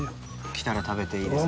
来たら食べていいですか？